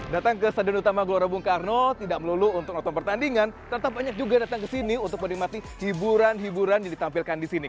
datang ke stadion utama gelora bung karno tidak melulu untuk nonton pertandingan tetap banyak juga datang ke sini untuk menikmati hiburan hiburan yang ditampilkan di sini